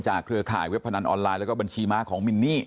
เครือข่ายเว็บพนันออนไลน์แล้วก็บัญชีม้าของมินนี่